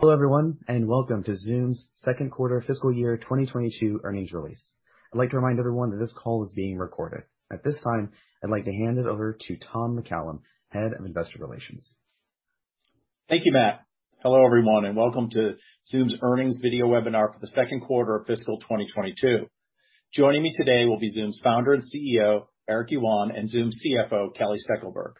Hello, everyone, and welcome to Zoom's second quarter fiscal year 2022 earnings release. I'd like to remind everyone that this call is being recorded. At this time, I'd like to hand it over to Tom McCallum, Head of Investor Relations. Thank you, Matt. Hello, everyone, and welcome to Zoom's earnings video webinar for the second quarter of fiscal 2022. Joining me today will be Zoom's Founder and CEO, Eric Yuan, and Zoom CFO, Kelly Steckelberg.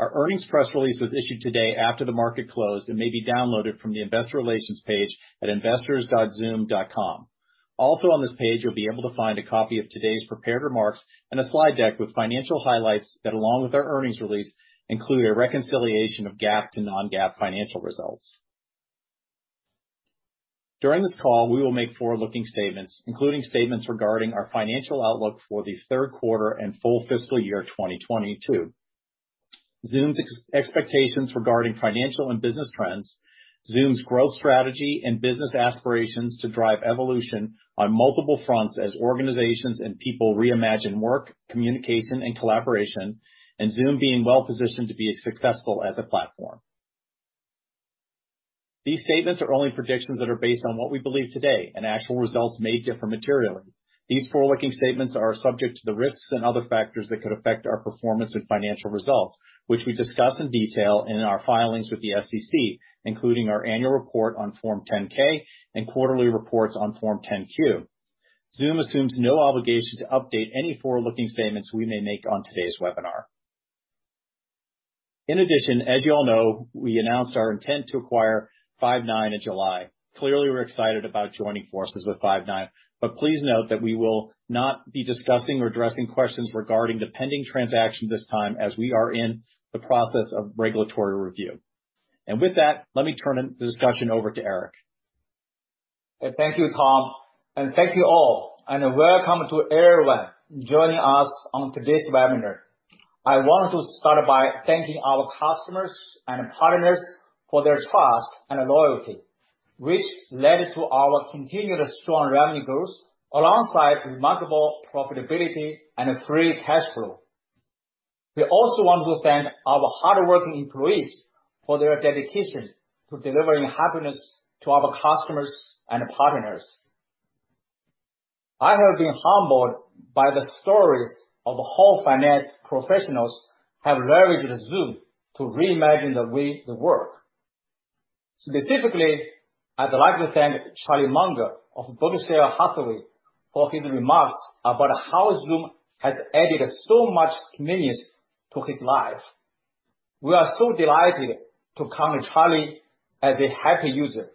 Our earnings press release was issued today after the market closed and may be downloaded from the investor relations page at investors.zoom.com. Also on this page, you'll be able to find a copy of today's prepared remarks and a slide deck with financial highlights that along with our earnings release, include a reconciliation of GAAP to non-GAAP financial results. During this call, we will make forward-looking statements, including statements regarding our financial outlook for the third quarter and full fiscal year 2022. Zoom's expectations regarding financial and business trends, Zoom's growth strategy and business aspirations to drive evolution on multiple fronts as organizations and people reimagine work, communication, and collaboration, and Zoom being well-positioned to be as successful as a platform. These statements are only predictions that are based on what we believe today, and actual results may differ materially. These forward-looking statements are subject to the risks and other factors that could affect our performance and financial results, which we discuss in detail in our filings with the SEC, including our annual report on Form 10-K and quarterly reports on Form 10-Q. Zoom assumes no obligation to update any forward-looking statements we may make on today's webinar. In addition, as you all know, we announced our intent to acquire Five9 in July. Clearly, we're excited about joining forces with Five9, but please note that we will not be discussing or addressing questions regarding the pending transaction at this time as we are in the process of regulatory review. With that, let me turn the discussion over to Eric. Thank you, Tom, and thank you all, and welcome to everyone joining us on today's webinar. I want to start by thanking our customers and partners for their trust and loyalty, which led to our continued strong revenue growth alongside remarkable profitability and free cash flow. We also want to thank our hardworking employees for their dedication to delivering happiness to our customers and partners. I have been humbled by the stories of how finance professionals have leveraged Zoom to reimagine the way they work. Specifically, I'd like to thank Charlie Munger of Berkshire Hathaway for his remarks about how Zoom has added so much convenience to his life. We are so delighted to count Charlie as a happy user,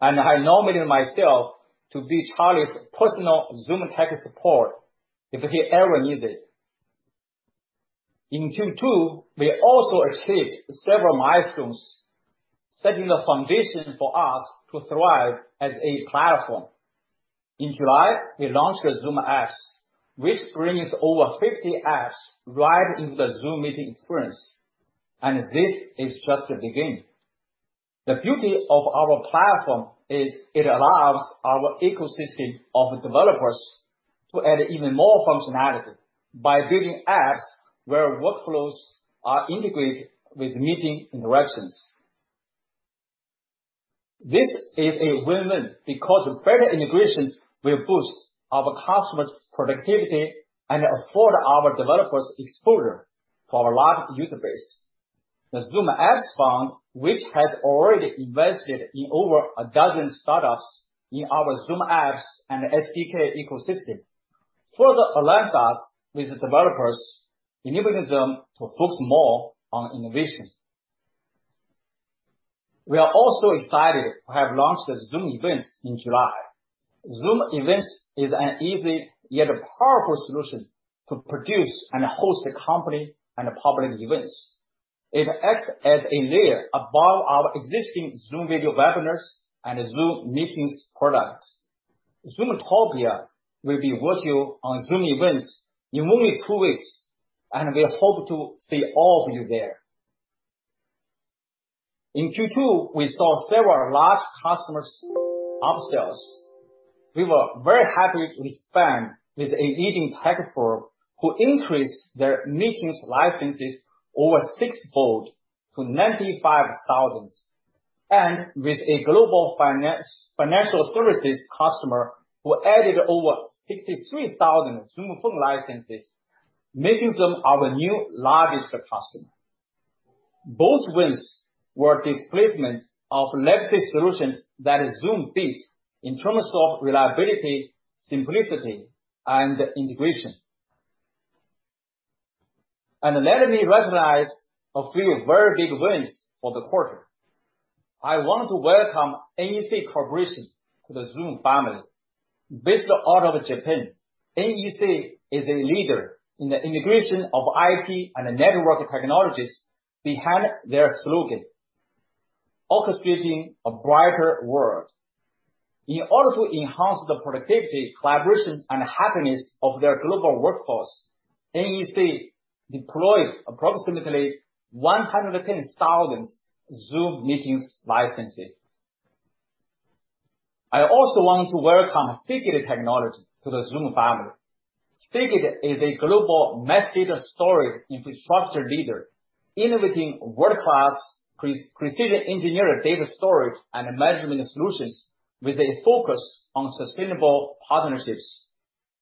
and I nominated myself to be Charlie's personal Zoom tech support if he ever needs it. In Q2, we also achieved several milestones, setting the foundation for us to thrive as a platform. In July, we launched Zoom Apps, which brings over 50 apps right into the Zoom Meetings experience. This is just the beginning. The beauty of our platform is it allows our ecosystem of developers to add even more functionality by building apps where workflows are integrated with meeting interactions. This is a win-win because better integrations will boost our customers' productivity and afford our developers exposure to our large user base. The Zoom Apps Fund, which has already invested in over a dozen startups in our Zoom Apps and SDK ecosystem, further aligns us with developers, enabling them to focus more on innovation. We are also excited to have launched Zoom Events in July. Zoom Events is an easy yet powerful solution to produce and host company and public events. It acts as a layer above our existing Zoom Webinars and Zoom Meetings products. Zoomtopia will be virtual on Zoom Events in only two weeks, and we hope to see all of you there. In Q2, we saw several large customers' upsells. We were very happy to expand with a leading tech firm who increased their meetings licenses over sixfold to 95,000. With a global financial services customer who added over 63,000 Zoom Phone licenses, making them our new largest customer. Both wins were displacement of legacy solutions that Zoom beat in terms of reliability, simplicity, and integration. Let me recognize a few very big wins for the quarter. I want to welcome NEC Corporation to the Zoom family. Based out of Japan, NEC is a leader in the integration of IT and network technologies behind their slogan, "Orchestrating a brighter world." In order to enhance the productivity, collaboration, and happiness of their global workforce, NEC deployed approximately 110,000 Zoom Meetings licenses. I also want to welcome Seagate Technology to the Zoom family. Seagate is a global mass data storage infrastructure leader, innovating world-class precision engineering data storage and management solutions with a focus on sustainable partnerships.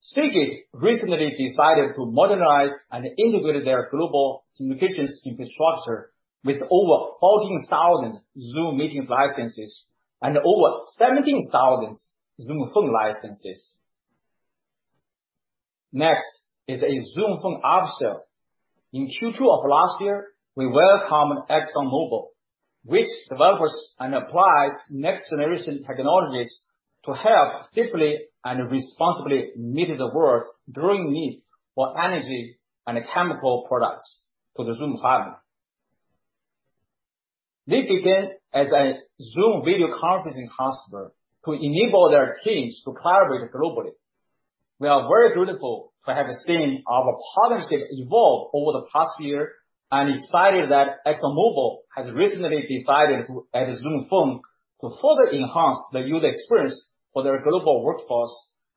Seagate recently decided to modernize and integrate their global communications infrastructure with over 14,000 Zoom Meetings licenses and over 17,000 Zoom Phone licenses. Next is a Zoom Phone upsell. In Q2 of last year, we welcomed ExxonMobil, which develops and applies next-generation technologies to help safely and responsibly meet the world's growing need for energy and chemical products to the Zoom family. They began as a Zoom video conferencing customer to enable their teams to collaborate globally. We are very grateful to have seen our partnership evolve over the past year and excited that ExxonMobil has recently decided to add Zoom Phone to further enhance the user experience for their global workforce,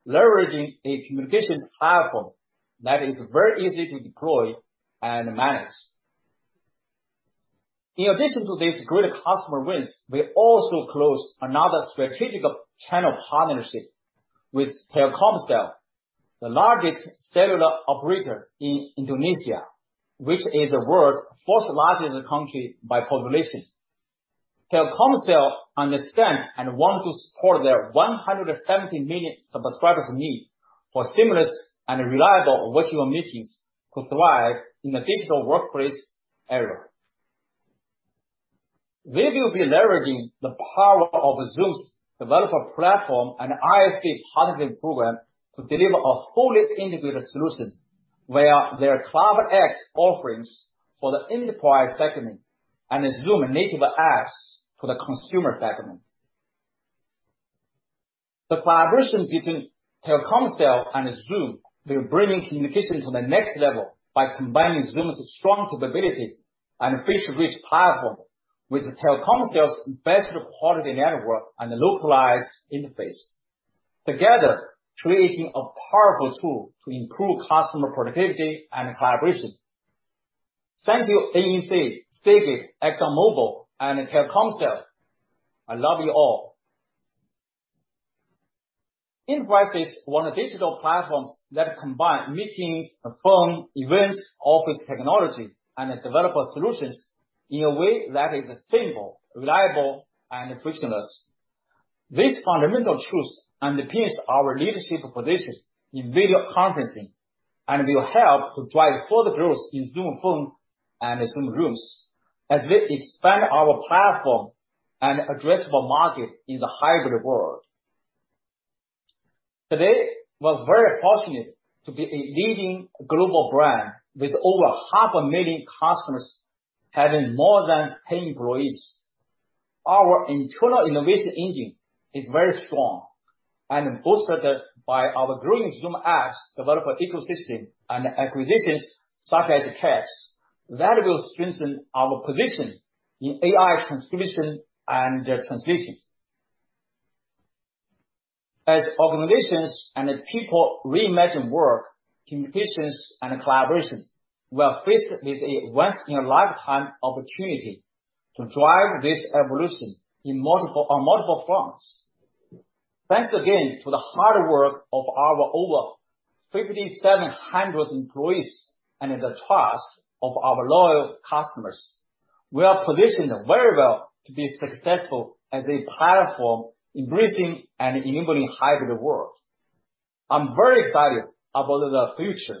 leveraging a communications platform that is very easy to deploy and manage. In addition to these great customer wins, we also closed another strategic channel partnership with Telkomsel, the largest cellular operator in Indonesia, which is the world's fourth largest country by population. Telkomsel understands and wants to support their 170 million subscribers' need for seamless and reliable virtual meetings to thrive in the digital workplace era. We will be leveraging the power of Zoom's developer platform and ISP partnering program to deliver a fully integrated solution via their CloudX offerings for the enterprise segment and Zoom Apps to the consumer segment. The collaboration between Telkomsel and Zoom will bring communication to the next level by combining Zoom's strong capabilities and feature-rich platform with Telkomsel's best quality network and localized interface, together creating a powerful tool to improve customer productivity and collaboration. Thank you, NEC, Seagate, ExxonMobil, and Telkomsel. I love you all. Enterprises want digital platforms that combine meetings, phone, events, office technology, and developer solutions in a way that is simple, reliable, and frictionless. This fundamental truth underpins our leadership position in video conferencing and will help to drive further growth in Zoom Phone and Zoom Rooms as we expand our platform and addressable market in the hybrid world. Today, we're very fortunate to be a leading global brand with over half a million customers having more than 10 employees. Our internal innovation engine is very strong and boosted by our growing Zoom Apps developer ecosystem and acquisitions such as Kites, that will strengthen our position in AI transcription and translation. As organizations and people reimagine work, communications, and collaboration, we are faced with a once-in-a-lifetime opportunity to drive this evolution on multiple fronts. Thanks again to the hard work of our over 5,700 employees and the trust of our loyal customers. We are positioned very well to be successful as a platform embracing and enabling hybrid work. I'm very excited about the future.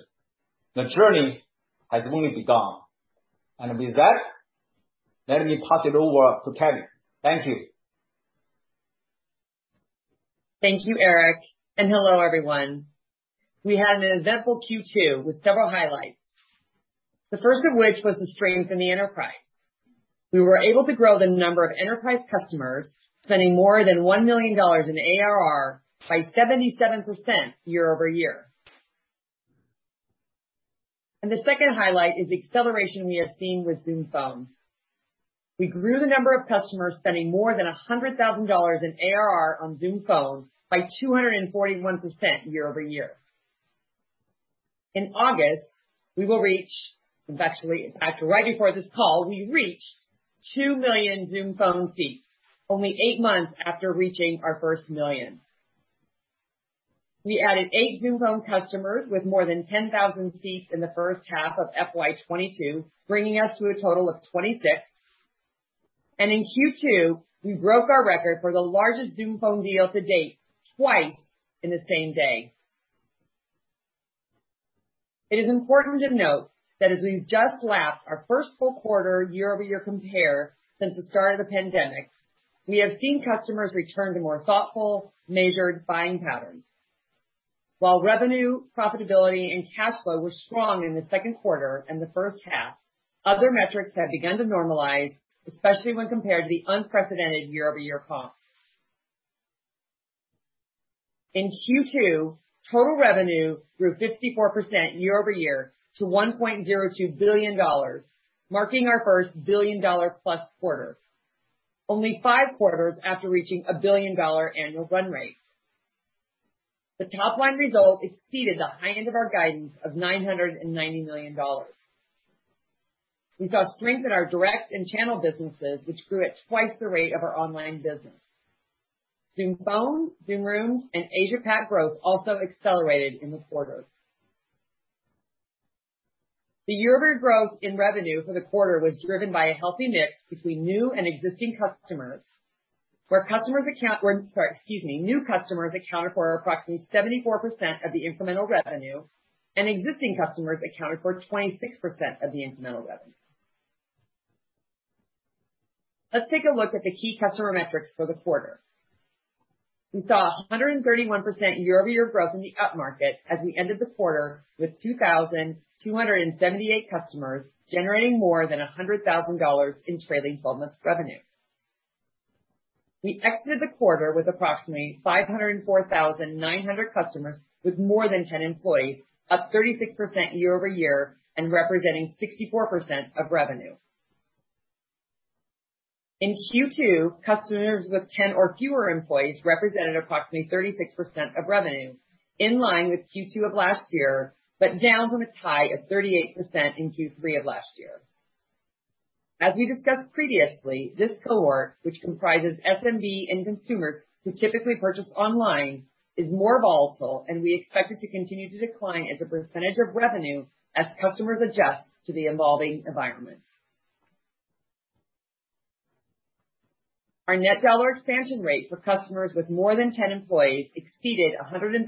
The journey has only begun. With that, let me pass it over to Kelly. Thank you. Thank you, Eric, and hello, everyone. We had an eventful Q2 with several highlights. The first of which was the strength in the enterprise. We were able to grow the number of enterprise customers spending more than $1 million in ARR by 77% year-over-year. The second highlight is the acceleration we are seeing with Zoom Phone. We grew the number of customers spending more than $100,000 in ARR on Zoom Phone by 241% year-over-year. In August, right before this call, we reached 2 million Zoom Phone seats, only eight months after reaching our 1 million. We added eight Zoom Phone customers with more than 10,000 seats in the first half of FY22, bringing us to a total of 26. In Q2, we broke our record for the largest Zoom Phone deal to date twice in the same day. It is important to note that as we've just lapped our first full quarter year-over-year compare since the start of the pandemic, we have seen customers return to more thoughtful, measured buying patterns. While revenue, profitability, and cash flow were strong in the second quarter and the first half, other metrics have begun to normalize, especially when compared to the unprecedented year-over-year comps. In Q2, total revenue grew 54% year-over-year to $1.02 billion, marking our first billion-dollar-plus quarter, only five quarters after reaching a billion-dollar annual run rate. The top-line result exceeded the high end of our guidance of $990 million. We saw strength in our direct and channel businesses, which grew at twice the rate of our online business. Zoom Phone, Zoom Rooms, and Asia Pac growth also accelerated in the quarter. The year-over-year growth in revenue for the quarter was driven by a healthy mix between new and existing customers. Sorry, excuse me. New customers accounted for approximately 74% of the incremental revenue. Existing customers accounted for 26% of the incremental revenue. Let's take a look at the key customer metrics for the quarter. We saw 131% year-over-year growth in the up-market as we ended the quarter with 2,278 customers, generating more than $100,000 in trailing 12 months revenue. We exited the quarter with approximately 504,900 customers with more than 10 employees, up 36% year-over-year and representing 64% of revenue. In Q2, customers with 10 or fewer employees represented approximately 36% of revenue, in line with Q2 of last year. Down from its high of 38% in Q3 of last year. As we discussed previously, this cohort, which comprises SMB and consumers who typically purchase online, is more volatile, and we expect it to continue to decline as a percentage of revenue as customers adjust to the evolving environment. Our net dollar expansion rate for customers with more than 10 employees exceeded 130%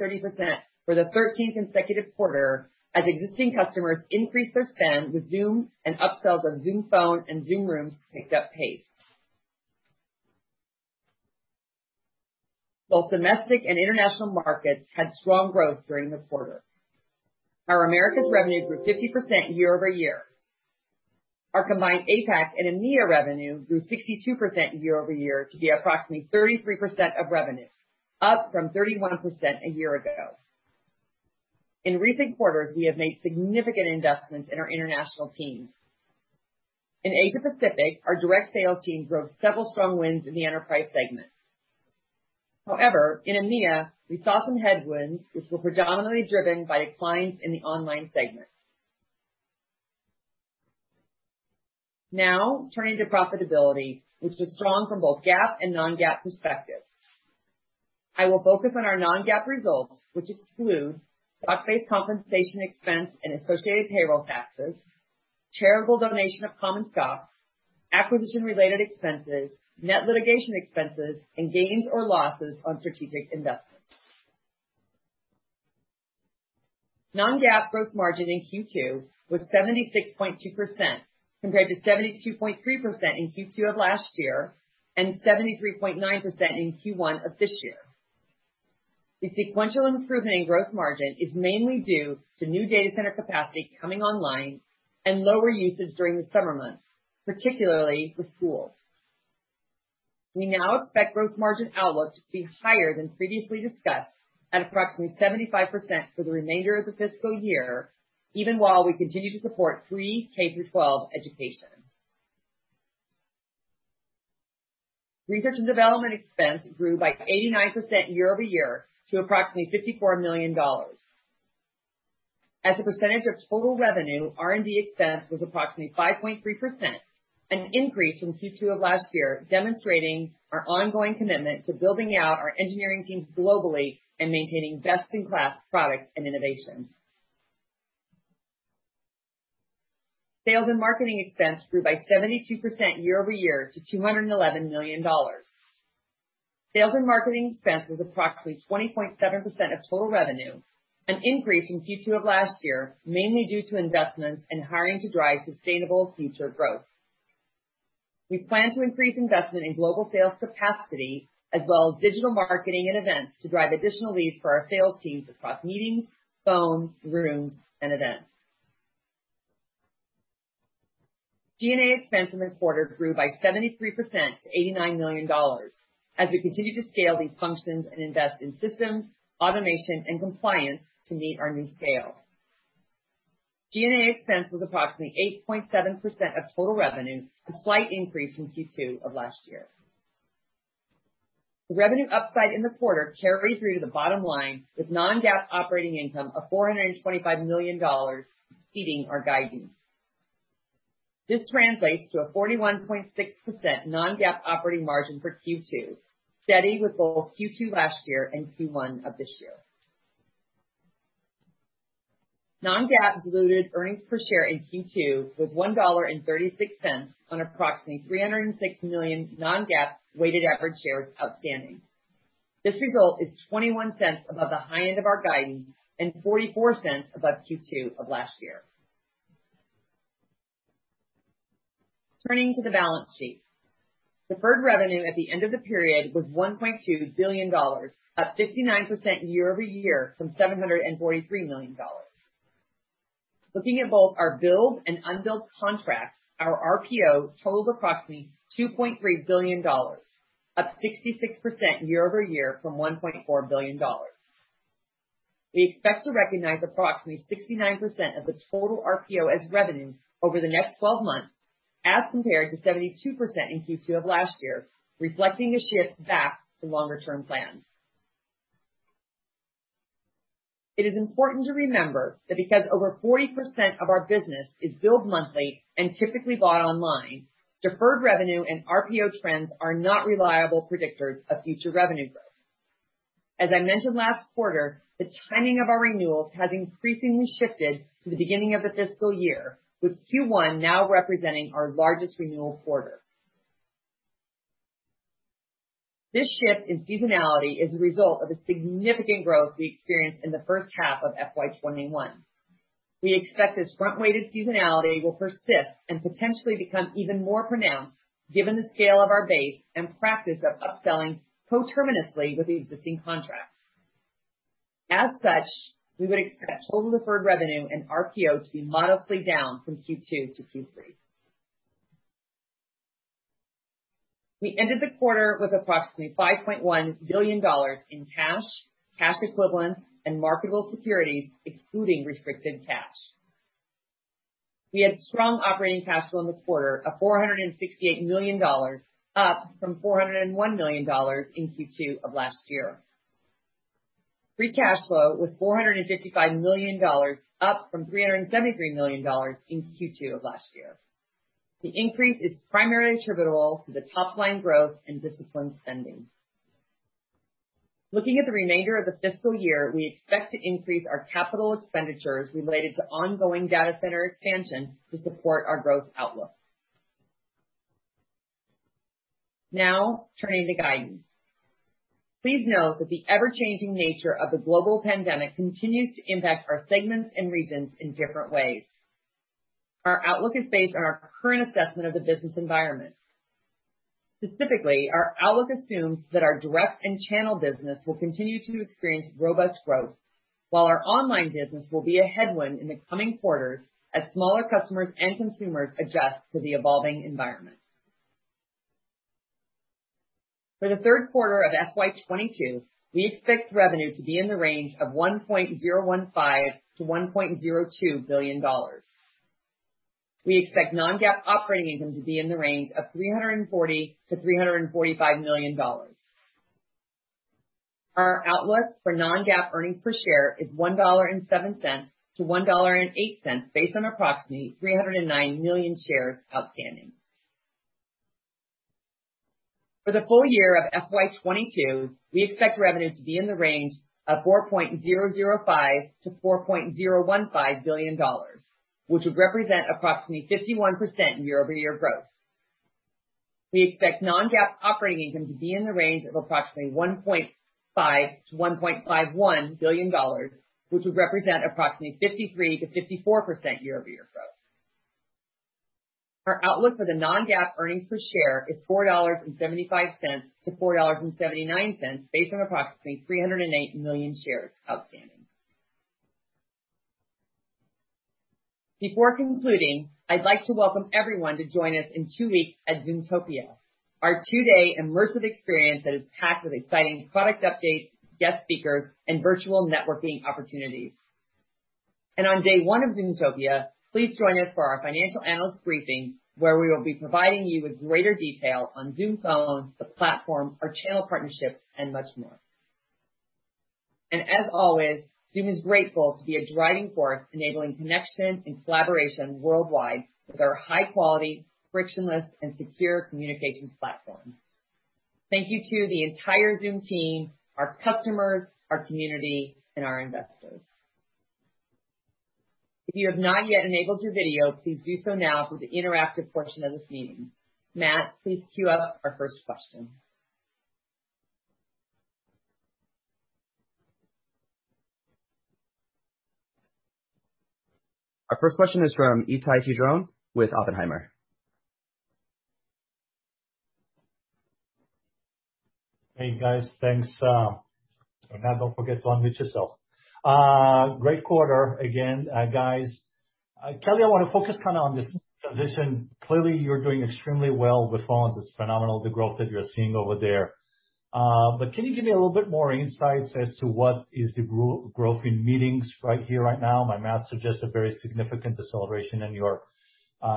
for the 13th consecutive quarter as existing customers increased their spend with Zoom, and upsells on Zoom Phone and Zoom Rooms picked up pace. Both domestic and international markets had strong growth during the quarter. Our Americas revenue grew 50% year-over-year. Our combined APAC and EMEA revenue grew 62% year-over-year to be approximately 33% of revenue, up from 31% a year ago. In recent quarters, we have made significant investments in our international teams. In Asia Pacific, our direct sales team drove several strong wins in the enterprise segment. However, in EMEA, we saw some headwinds, which were predominantly driven by declines in the online segment. Turning to profitability, which was strong from both GAAP and non-GAAP perspectives. I will focus on our non-GAAP results, which exclude stock-based compensation expense and associated payroll taxes, charitable donation of common stock, acquisition-related expenses, net litigation expenses, and gains or losses on strategic investments. Non-GAAP gross margin in Q2 was 76.2%, compared to 72.3% in Q2 of last year and 73.9% in Q1 of this year. The sequential improvement in gross margin is mainly due to new data center capacity coming online and lower usage during the summer months, particularly with schools. We now expect gross margin outlook to be higher than previously discussed at approximately 75% for the remainder of the fiscal year, even while we continue to support free K-12 education. Research and development expense grew by 89% year-over-year to approximately $54 million. As a percentage of total revenue, R&D expense was approximately 5.3%, an increase from Q2 of last year, demonstrating our ongoing commitment to building out our engineering teams globally and maintaining best-in-class product and innovation. Sales and marketing expenses grew by 72% year-over-year to $211 million. Sales and marketing expenses was approximately 20.7% of total revenue, an increase from Q2 of last year, mainly due to investments and hiring to drive sustainable future growth. We plan to increase investment in global sales capacity as well as digital marketing and events to drive additional leads for our sales teams across Zoom Meetings, Zoom Phone, Zoom Rooms, and Zoom Events. G&A expense in the quarter grew by 73% to $89 million as we continue to scale these functions and invest in systems, automation, and compliance to meet our new scale. G&A expense was approximately 8.7% of total revenue, a slight increase from Q2 of last year. The revenue upside in the quarter carried through to the bottom line with non-GAAP operating income of $425 million, exceeding our guidance. This translates to a 41.6% non-GAAP operating margin for Q2, steady with both Q2 last year and Q1 of this year. Non-GAAP diluted earnings per share in Q2 was $1.36 on approximately 306 million non-GAAP weighted average shares outstanding. This result is $0.21 above the high end of our guidance and $0.44 above Q2 of last year. Turning to the balance sheet. Deferred revenue at the end of the period was $1.2 billion, up 59% year-over-year from $743 million. Looking at both our billed and unbilled contracts, our RPO totals approximately $2.3 billion, up 66% year-over-year from $1.4 billion. We expect to recognize approximately 69% of the total RPO as revenue over the next 12 months, as compared to 72% in Q2 of last year, reflecting a shift back to longer term plans. It is important to remember that because over 40% of our business is billed monthly and typically bought online, deferred revenue and RPO trends are not reliable predictors of future revenue growth. As I mentioned last quarter, the timing of our renewals has increasingly shifted to the beginning of the fiscal year, with Q1 now representing our largest renewal quarter. This shift in seasonality is a result of the significant growth we experienced in the first half of FY 2021. We expect this front-weighted seasonality will persist and potentially become even more pronounced given the scale of our base and practice of upselling co-terminously with existing contracts. As such, we would expect total deferred revenue and RPO to be modestly down from Q2 to Q3. We ended the quarter with approximately $5.1 billion in cash equivalents, and marketable securities, excluding restricted cash. We had strong operating cash flow in the quarter of $468 million, up from $401 million in Q2 of last year. Free cash flow was $455 million, up from $373 million in Q2 of last year. The increase is primarily attributable to the top-line growth and disciplined spending. Looking at the remainder of the fiscal year, we expect to increase our capital expenditures related to ongoing data center expansion to support our growth outlook. Turning to guidance. Please note that the ever-changing nature of the global pandemic continues to impact our segments and regions in different ways. Our outlook is based on our current assessment of the business environment. Specifically, our outlook assumes that our direct and channel business will continue to experience robust growth, while our online business will be a headwind in the coming quarters as smaller customers and consumers adjust to the evolving environment. For the third quarter of FY 2022, we expect revenue to be in the range of $1.015 billion-$1.02 billion. We expect non-GAAP operating income to be in the range of $340 million-$345 million. Our outlook for non-GAAP earnings per share is $1.07-$1.08, based on approximately 309 million shares outstanding. For the full year of FY 2022, we expect revenue to be in the range of $4.005 billion-$4.015 billion, which would represent approximately 51% year-over-year growth. We expect non-GAAP operating income to be in the range of approximately $1.5 billion-$1.51 billion, which would represent approximately 53%-54% year-over-year growth. Our outlook for the non-GAAP earnings per share is $4.75-$4.79, based on approximately 308 million shares outstanding. Before concluding, I'd like to welcome everyone to join us in two weeks at Zoomtopia, our two-day immersive experience that is packed with exciting product updates, guest speakers, and virtual networking opportunities. On day one of Zoomtopia, please join us for our financial analyst briefing, where we will be providing you with greater detail on Zoom Phone, the platform, our channel partnerships, and much more. As always, Zoom is grateful to be a driving force enabling connection and collaboration worldwide with our high quality, frictionless, and secure communications platform. Thank you to the entire Zoom team, our customers, our community, and our investors. If you have not yet enabled your video, please do so now for the interactive portion of this meeting. Matt, please queue up our first question. Our first question is from Ittai Kidron with Oppenheimer. Hey, guys. Thanks, don't forget to unmute yourself. Great quarter again, guys. Kelly, I want to focus kind of on this transition. Clearly, you're doing extremely well with phones. It's phenomenal the growth that you're seeing over there. Can you give me a little bit more insights as to what is the growth in Meetings right here, right now? My math suggests a very significant deceleration in your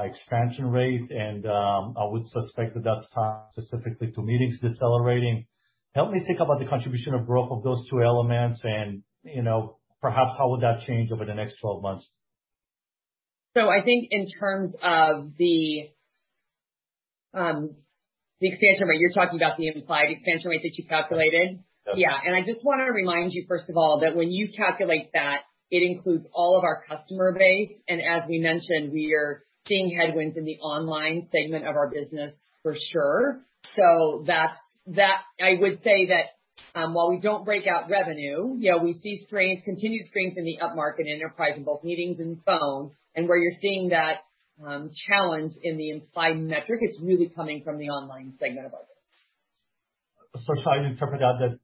expansion rate, and I would suspect that that's specifically to Meetings decelerating. Help me think about the contribution of growth of those two elements and perhaps how would that change over the next 12 months. I think in terms of the expansion rate, you're talking about the implied expansion rate that you calculated? Yes. I just want to remind you, first of all, that when you calculate that, it includes all of our customer base. As we mentioned, we are seeing headwinds in the online segment of our business for sure. I would say that while we don't break out revenue, we see continued strength in the upmarket enterprise in both Meetings and Phone, and where you're seeing that challenge in the implied metric, it's really coming from the online segment of our business. Should I interpret that,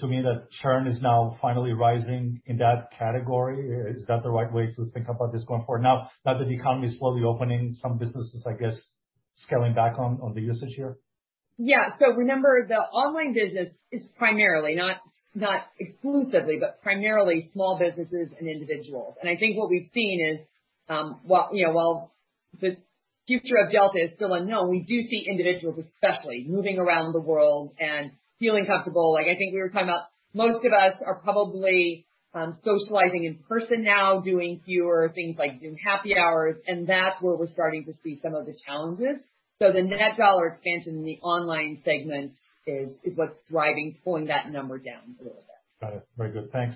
to me, that churn is now finally rising in that category? Is that the right way to think about this going forward now that the economy is slowly opening some businesses, I guess, scaling back on the usage here? Yeah. Remember, the online business is primarily, not exclusively, but primarily small businesses and individuals. I think what we've seen is, while the future of Delta is still unknown, we do see individuals, especially, moving around the world and feeling comfortable. I think we were talking about most of us are probably socializing in person now, doing fewer things like Zoom happy hours, and that's where we're starting to see some of the challenges. The net dollar expansion in the online segment is what's driving pulling that number down a little bit. Got it. Very good. Thanks.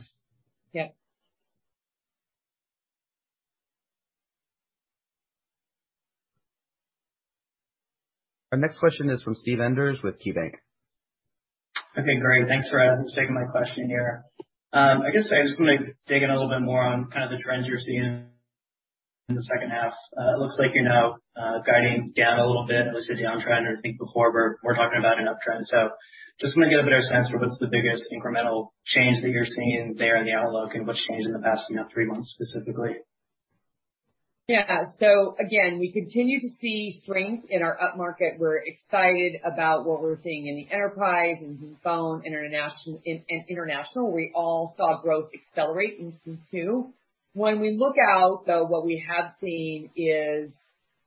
Yeah. Our next question is from Steve Enders with KeyBanc. Okay, great. Thanks for taking my question here. I guess I just want to dig in a little bit more on kind of the trends you're seeing in the second half. It looks like you're now guiding down a little bit. It was a downtrend, I think, before we're talking about an uptrend. Just want to get a better sense for what's the biggest incremental change that you're seeing there in the outlook, and what's changed in the past three months specifically. Yeah. Again, we continue to see strength in our upmarket. We're excited about what we're seeing in the enterprise, in Zoom Phone, in international. We all saw growth accelerate in Q2. When we look out, though, what we have seen is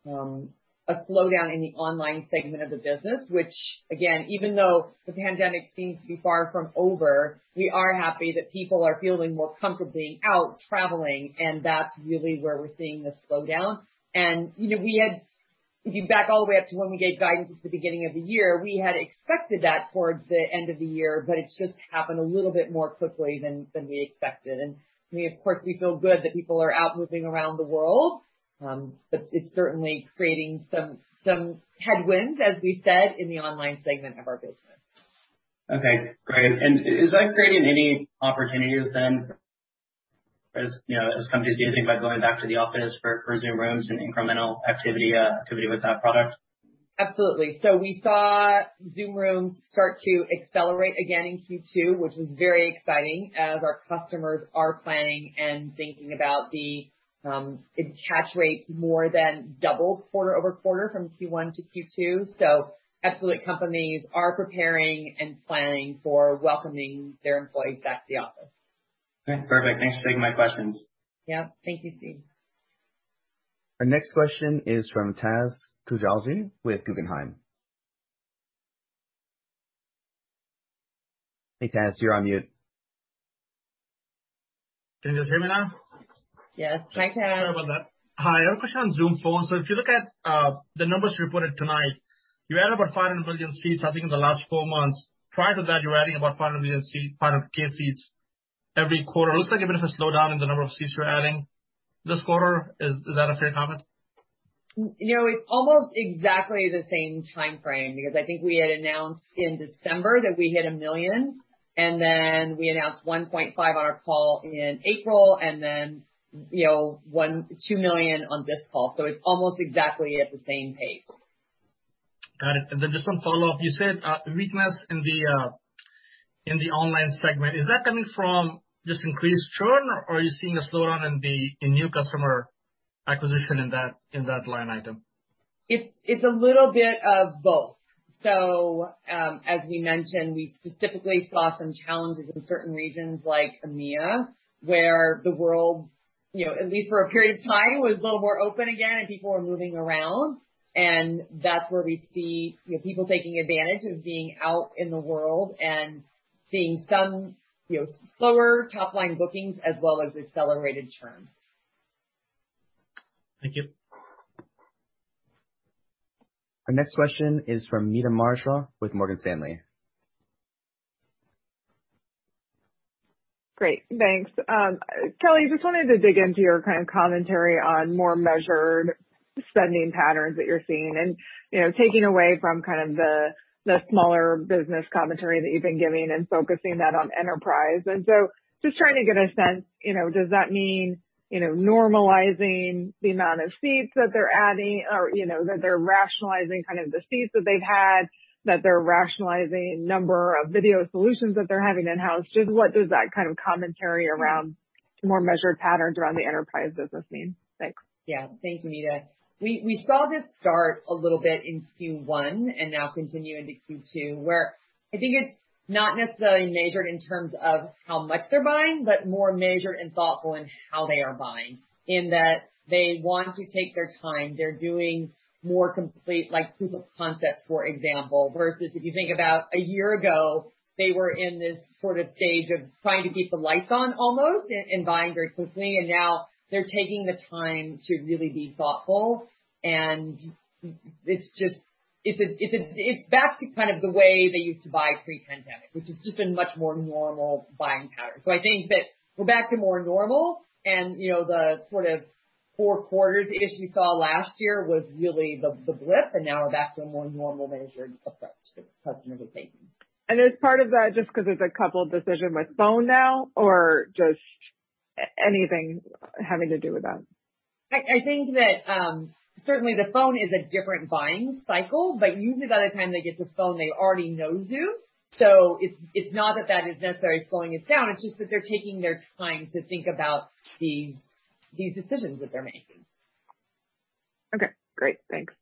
a slowdown in the online segment of the business, which again, even though the pandemic seems to be far from over, we are happy that people are feeling more comfortably out traveling, and that's really where we're seeing the slowdown. If you back all the way up to when we gave guidance at the beginning of the year, we had expected that towards the end of the year, but it's just happened a little bit more quickly than we expected. Of course, we feel good that people are out moving around the world. It's certainly creating some headwinds, as we said, in the online segment of our business. Okay, great. Is that creating any opportunities then as companies think about going back to the office for Zoom Rooms and incremental activity with that product? Absolutely. We saw Zoom Rooms start to accelerate again in Q2, which was very exciting as our customers are planning and thinking about the attach rates more than double quarter-over-quarter from Q1 to Q2. Absolutely, companies are preparing and planning for welcoming their employees back to the office. Okay, perfect. Thanks for taking my questions. Yeah. Thank you, Steve. Our next question is from Taz Koujalgi with Guggenheim. Hey, Taz, you're on mute. Can you guys hear me now? Yes. Hi, Taz. Sorry about that. Hi, I have a question on Zoom Phone. If you look at the numbers reported tonight, you add about 500 million seats, I think, in the last four months. Prior to that, you were adding about 500K seats every quarter. It looks like a bit of a slowdown in the number of seats you're adding this quarter. Is that a fair comment? It's almost exactly the same timeframe, because I think we had announced in December that we hit $1 million, and then we announced $1.5 million on our call in April, and then $2 million on this call. It's almost exactly at the same pace. Got it. Just one follow-up. You said weakness in the online segment. Is that coming from just increased churn, or are you seeing a slowdown in new customer acquisition in that line item? It's a little bit of both. As we mentioned, we specifically saw some challenges in certain regions like EMEA, where the world, at least for a period of time, was a little more open again and people were moving around. That's where we see people taking advantage of being out in the world and seeing some slower top-line bookings as well as accelerated churn. Thank you. Our next question is from Meta Marshall with Morgan Stanley. Great, thanks. Kelly, just wanted to dig into your kind of commentary on more measured spending patterns that you're seeing and taking away from kind of the smaller business commentary that you've been giving and focusing that on enterprise. Just trying to get a sense, does that mean normalizing the amount of seats that they're adding or that they're rationalizing kind of the seats that they've had, that they're rationalizing number of video solutions that they're having in-house? Just what does that kind of commentary around more measured patterns around the enterprise business mean? Thanks. Thanks, Meta. We saw this start a little bit in Q1 and now continue into Q2, where I think it's not necessarily measured in terms of how much they're buying, but more measured and thoughtful in how they are buying, in that they want to take their time. They're doing more complete proof of concepts, for example. If you think about a year ago, they were in this sort of stage of trying to keep the lights on, almost and buying very quickly, and now they're taking the time to really be thoughtful, and it's back to kind of the way they used to buy pre-pandemic, which is just a much more normal buying pattern. I think that we're back to more normal and the sort of 4 quarters issue we saw last year was really the blip, and now we're back to a more normal measured approach that customers are taking. Is part of that just because it's a coupled decision with Phone now, or anything having to do with that? I think that, certainly the Phone is a different buying cycle, usually by the time they get to Phone, they already know Zoom. It's not that that is necessarily slowing us down, it's just that they're taking their time to think about these decisions that they're making. Okay, great. Thanks.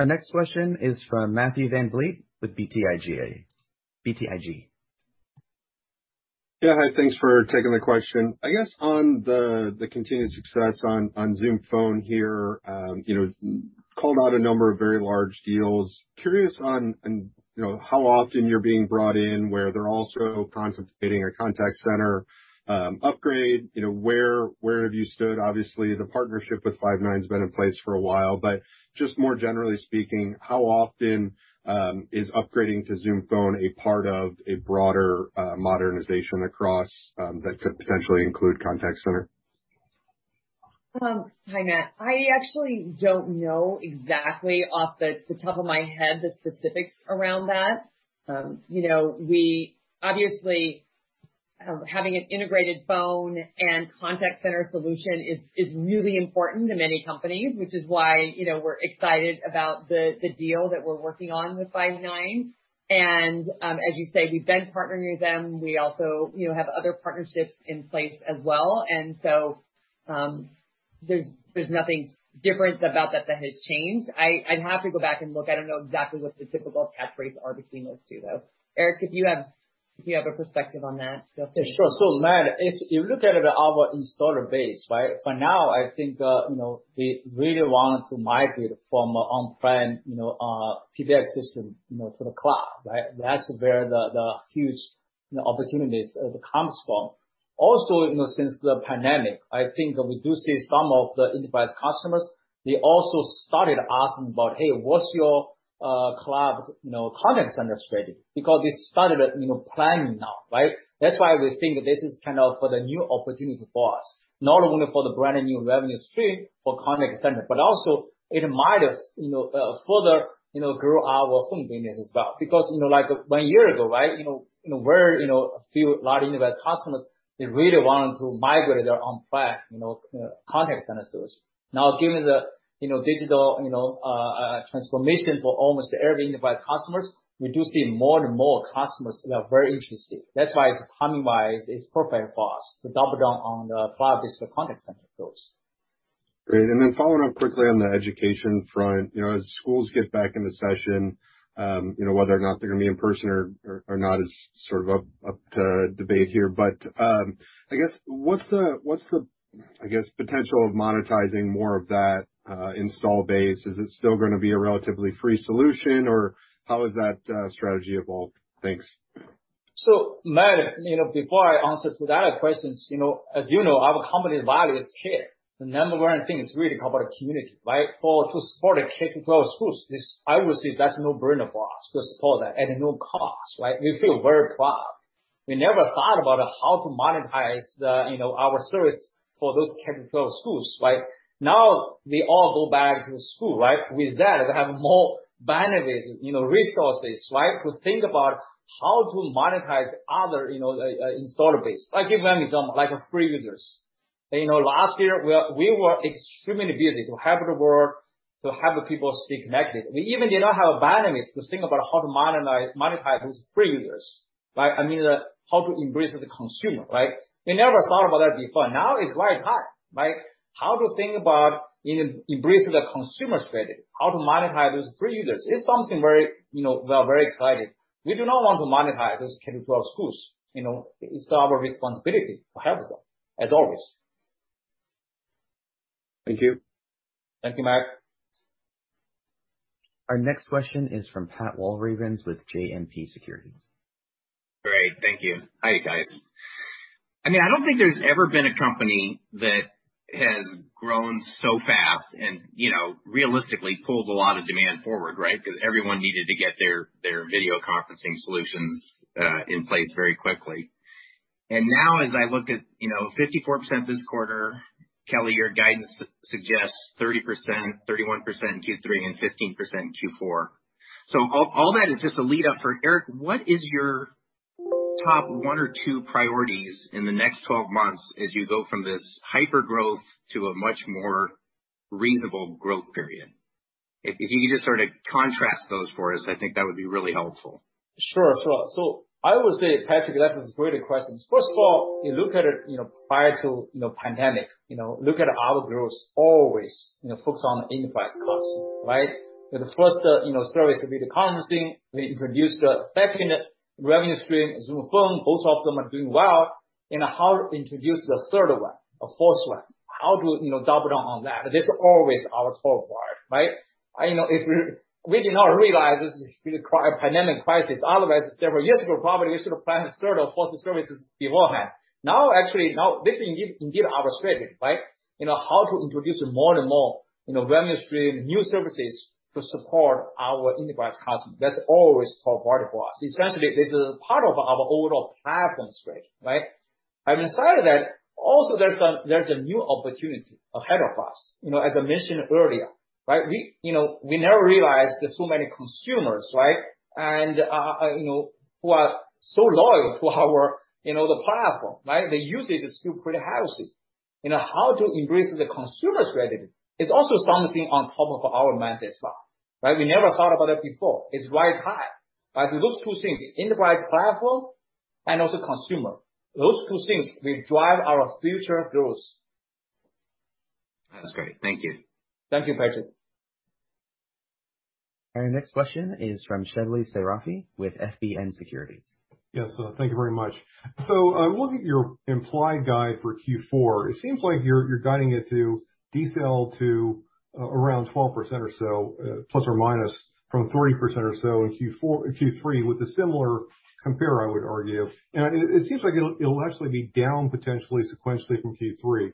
Our next question is from Matthew VanVliet with BTIG. Yeah. Hi, thanks for taking the question. I guess on the continued success on Zoom Phone here, called out a number of very large deals. Curious on how often you're being brought in where they're also contemplating a contact center upgrade. Where have you stood? Obviously, the partnership with Five9's been in place for a while, but just more generally speaking, how often, is upgrading to Zoom Phone a part of a broader modernization across, that could potentially include contact center? Hi, Matt. I actually don't know exactly off the top of my head the specifics around that. Obviously, having an integrated phone and contact center solution is really important to many companies, which is why we're excited about the deal that we're working on with Five9. As you say, we've been partnering with them. We also have other partnerships in place as well. There's nothing different about that that has changed. I'd have to go back and look. I don't know exactly what the typical attach rates are between those two, though. Eric, if you have a perspective on that, feel free. Sure. Matt, if you look at our installer base, right? For now, I think, they really want to migrate from on-prem PBX system to the cloud, right? That's where the huge opportunities comes from. Also, since the pandemic, I think we do see some of the enterprise customers, they also started asking about, "Hey, what's your cloud contact center strategy?" They started planning now, right? That's why we think this is for the new opportunity for us, not only for the brand new revenue stream for contact center, but also it might further grow our phone business as well. One year ago, right, very few large enterprise customers, they really wanted to migrate their on-prem contact center solution. Now, given the digital transformation for almost every enterprise customers, we do see more and more customers that are very interested. That's why it's timing-wise, it's perfect for us to double down on the cloud-based contact center approach. Great. Following up quickly on the education front. As schools get back into session, whether or not they're going to be in person or not is sort of up to debate here. I guess, what's the potential of monetizing more of that install base? Is it still going to be a relatively free solution? How has that strategy evolved? Thanks. Matt, before I answer to that question, as you know, our company value is care. The number one thing is really about community, right? To support the K-12 schools, I would say that's no burden for us to support that at no cost, right? We feel very proud. We never thought about how to monetize our service for those K-12 schools, right? Now they all go back to school, right? With that, they have more bandwidth, resources, right, to think about how to monetize other install base. I give 1 example, like free users. Last year, we were extremely busy to help the world, to help people stay connected. We even did not have a bandwidth to think about how to monetize those free users, right? How to embrace the consumer, right? We never thought about that before. Now it's right time, right? How to think about embracing the consumer strategy, how to monetize those free users. It's something we are very excited. We do not want to monetize those K through 12 schools. It's our responsibility to help them, as always. Thank you. Thank you, Matt. Our next question is from Pat Walravens with JMP Securities. Great. Thank you. Hi, guys. I don't think there's ever been a company that has grown so fast and realistically pulled a lot of demand forward, right? Everyone needed to get their video conferencing solutions in place very quickly. Now as I look at 54% this quarter, Kelly, your guidance suggests 30%, 31% in Q3 and 15% in Q4. All that is just a lead up for Eric, what is your top one or two priorities in the next 12 months as you go from this hyper-growth to a much more reasonable growth period? If you could just sort of contrast those for us, I think that would be really helpful. Sure. I would say, Patrick, that's a great question. First of all, you look at it prior to pandemic. Look at our growth, always focused on the enterprise customer, right? The first service, video conferencing, we introduced a second revenue stream, Zoom Phone. Both of them are doing well. How to introduce the third one or fourth one. How to double down on that. This is always our top part, right? If we did not realize this pandemic crisis, otherwise several years ago, probably we should have planned a third or fourth services beforehand. Now, actually, now this is indeed our strategy, right? How to introduce more and more revenue stream, new services to support our enterprise customer. That's always top priority for us. Essentially, this is part of our overall platform strategy, right? Inside of that, also there's a new opportunity ahead of us. As I mentioned earlier. We never realized there's so many consumers, who are so loyal to the platform. The usage is still pretty healthy. How to increase the consumer strategy is also something on top of our minds as well. We never thought about that before. It's right time. Those two things, enterprise platform and also consumer, those two things will drive our future growth. That's great. Thank you. Thank you, Patrick. Our next question is from Shebly Seyrafi with FBN Securities. Thank you very much. Looking at your implied guide for Q4, it seems like you're guiding it to decel to around 12% or so, ± from 3% or so in Q3 with a similar compare, I would argue. It seems like it'll actually be down potentially sequentially from Q3.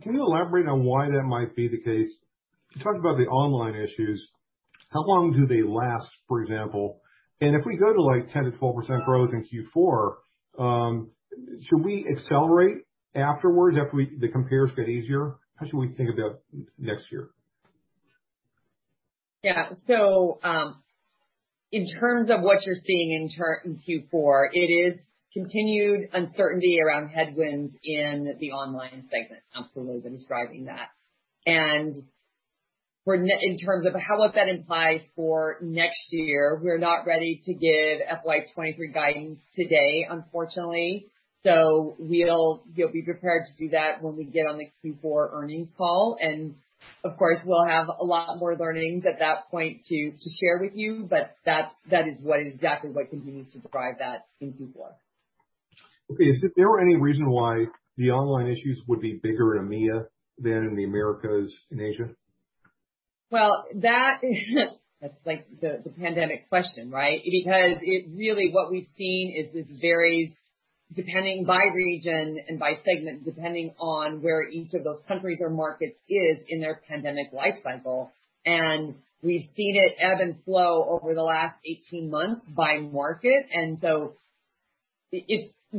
Can you elaborate on why that might be the case? You talked about the online issues. How long do they last, for example? If we go to 10%-14% growth in Q4, should we accelerate afterwards after the compares get easier? How should we think about next year? Yeah. In terms of what you're seeing in Q4, it is continued uncertainty around headwinds in the online segment. We've absolutely been describing that. In terms of how, what that implies for next year, we're not ready to give FY 2023 guidance today, unfortunately. You'll be prepared to do that when we get on the Q4 earnings call, and of course, we'll have a lot more learnings at that point to share with you, that is what is definitely what continues to drive that in Q4. Okay. Is there any reason why the online issues would be bigger in EMEA than in the Americas and Asia? Well, that's like the pandemic question, right? Because really what we've seen is this varies depending by region and by segment, depending on where each of those countries or markets is in their pandemic life cycle. We've seen it ebb and flow over the last 18 months by market. That's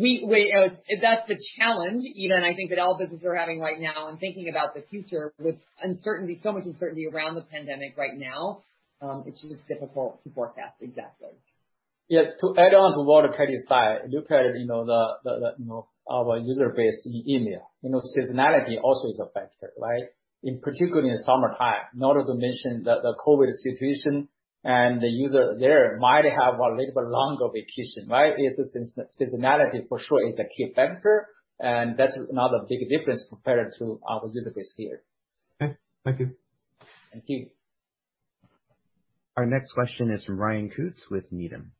the challenge even I think that all businesses are having right now in thinking about the future with so much uncertainty around the pandemic right now. It's just difficult to forecast exactly. Yeah. To add on to what Kelly said, look at our user base in India. Seasonality also is a factor, right? In particularly in summertime, not to mention that the COVID situation and the user there might have a little bit longer vacation, right? Seasonality for sure is a key factor, and that's another big difference compared to our user base here. Okay. Thank you. Thank you. Our next question is from Ryan Koontz with Needham.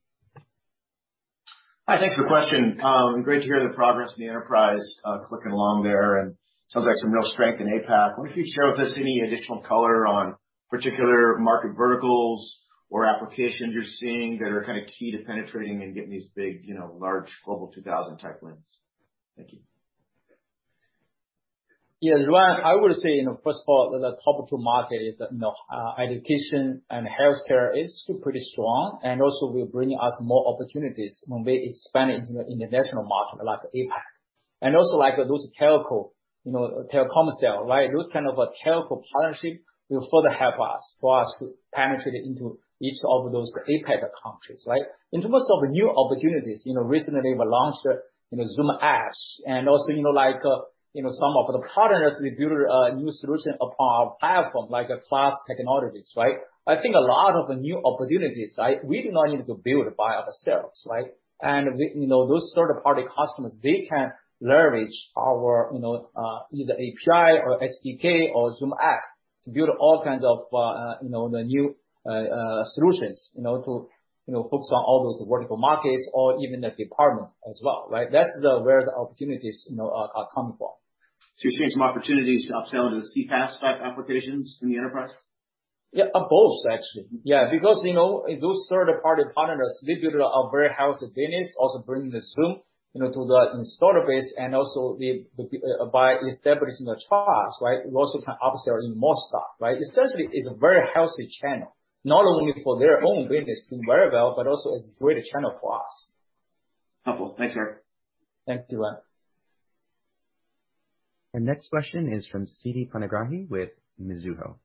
Hi. Thanks for the question. Great to hear the progress in the enterprise clicking along there, and sounds like some real strength in APAC. I wonder if you could share with us any additional color on particular market verticals or applications you're seeing that are kind of key to penetrating and getting these big large Global 2000 type wins. Thank you. Yeah. Ryan, I would say, first of all, the top two market is education and healthcare is still pretty strong, also will bring us more opportunities when we expand into the international market like APAC. Like those Telkomsel. Those kind of a telecom partnership will further help us, for us to penetrate into each of those APAC countries, right? In terms of new opportunities, recently we launched Zoom Apps and also some of the partners, we built a new solution of our platform, like Class Technologies. I think a lot of the new opportunities, we do not need to build by ourselves. Those third-party customers, they can leverage our, either API or SDK or Zoom Apps to build all kinds of the new solutions to focus on all those vertical markets or even the department as well. That's where the opportunities are coming from. You're seeing some opportunities to upsell into CPaaS type applications in the enterprise? Yeah. Both, actually. Those third-party partners, they build a very healthy business, also bringing the Zoom to the installer base, and also by establishing the trust, we also can upsell even more stuff. Essentially, it's a very healthy channel, not only for their own business doing very well, but also as a greater channel for us. Wonderful. Thanks, Eric. Thanks, Ryan. Our next question is from Siti Panigrahi with Mizuho.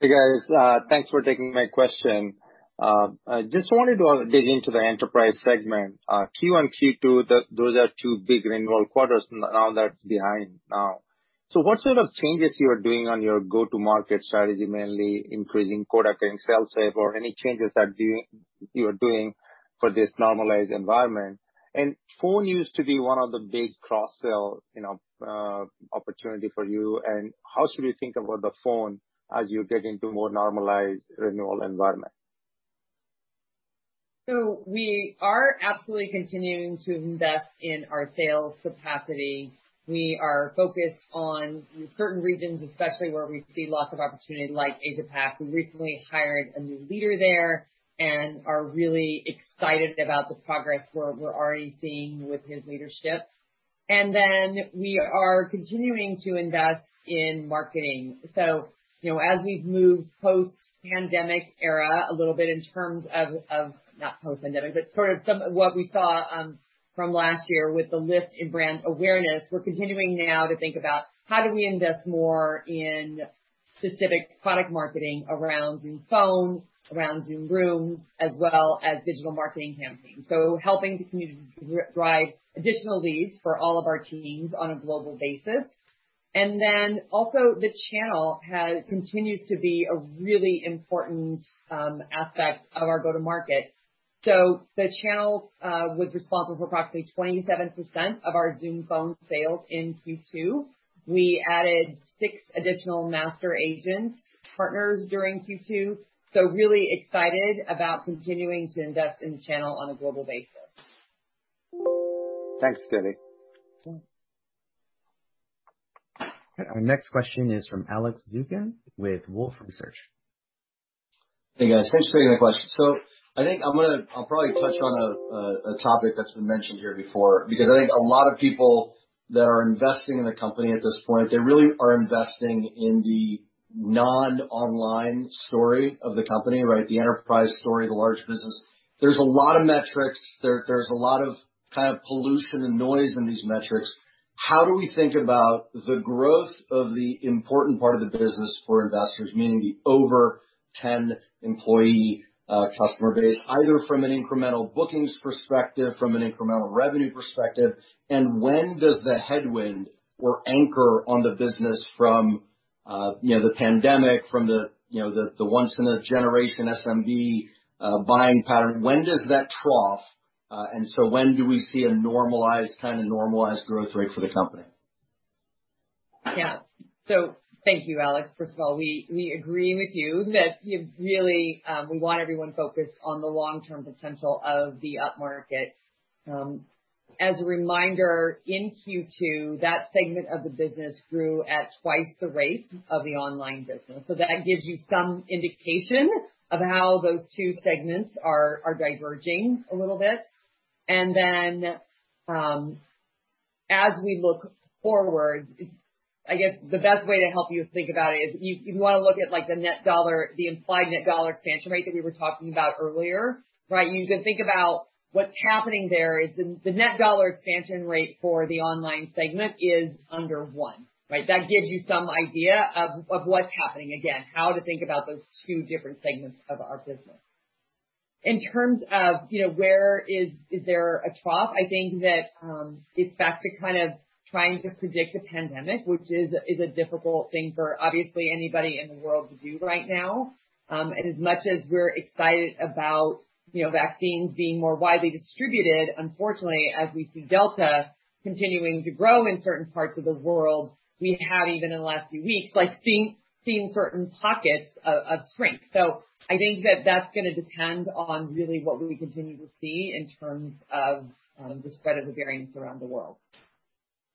Hey, guys. Thanks for taking my question. I just wanted to dig into the enterprise segment. Q1, Q2, those are two big renewal quarters now that's behind now. What sort of changes you are doing on your go-to-market strategy, mainly increasing quota, training sales staff, or any changes that you are doing for this normalized environment? Phone used to be one of the big cross-sell opportunity for you, and how should we think about the Phone as you get into more normalized renewal environment? We are absolutely continuing to invest in our sales capacity. We are focused on certain regions, especially where we see lots of opportunity like Asia-Pac. We recently hired a new leader there and are really excited about the progress we're already seeing with his leadership. We are continuing to invest in marketing. As we've moved post-pandemic era a little bit in terms of, not post-pandemic, but sort of some of what we saw from last year with the lift in brand awareness. We're continuing now to think about how do we invest more in specific product marketing around Zoom Phone, around Zoom Rooms, as well as digital marketing campaigns. Helping to drive additional leads for all of our teams on a global basis. The channel continues to be a really important aspect of our go-to-market. The channel was responsible for approximately 27% of our Zoom Phone sales in Q2. We added six additional master agents, partners during Q2, so really excited about continuing to invest in the channel on a global basis. Thanks, Kelly. Sure. Our next question is from Alex Zukin with Wolfe Research. Hey, guys. Thanks for taking the question. I think I'll probably touch on a topic that's been mentioned here before, because I think a lot of people that are investing in the company at this point, they really are investing in the non-online story of the company, right? The enterprise story, the large business. There's a lot of metrics. There's a lot of pollution and noise in these metrics. How do we think about the growth of the important part of the business for investors, meaning the over 10 employee customer base, either from an incremental bookings perspective, from an incremental revenue perspective, and when does the headwind or anchor on the business from the pandemic, from the once in a generation SMB buying pattern, when does that trough, and so when do we see a normalized growth rate for the company? Thank you, Alex. First of all, we agree with you that we want everyone focused on the long-term potential of the upmarket. As a reminder, in Q2, that segment of the business grew at twice the rate of the online business. That gives you some indication of how those two segments are diverging a little bit. As we look forward, I guess the best way to help you think about it is you want to look at the implied net dollar expansion rate that we were talking about earlier, right? You can think about what's happening there is the net dollar expansion rate for the online segment is under one, right? That gives you some idea of what's happening. Again, how to think about those two different segments of our business. In terms of where is there a trough? I think that, it's back to kind of trying to predict the pandemic, which is a difficult thing for obviously anybody in the world to do right now. As much as we're excited about vaccines being more widely distributed, unfortunately, as we see Delta continuing to grow in certain parts of the world, we have even in the last few weeks, seen certain pockets of strength. I think that that's going to depend on really what we continue to see in terms of the spread of the variants around the world.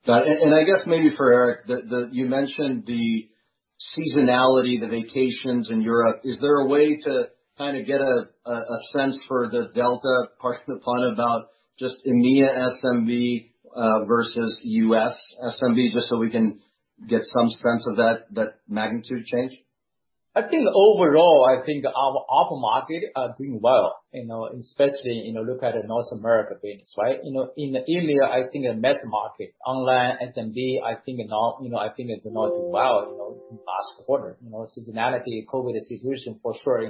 Got it. I guess maybe for Eric, you mentioned the seasonality, the vacations in Europe. Is there a way to kind of get a sense for the Delta, pardon the pun, about just EMEA SMB versus U.S. SMB, just so we can get some sense of that magnitude change? I think overall, our upmarket are doing well, especially look at the North America business, right? In EMEA, I think the mass market, online SMB, I think they do not do well in last quarter. Seasonality, COVID situation for sure